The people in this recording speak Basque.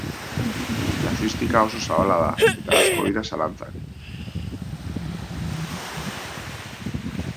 Kasuistika oso zabala da, eta asko dira zalantzak.